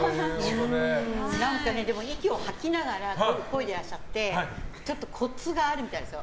でも息を吐きながらこいでらっしゃってちょっとコツがあるみたいですよ。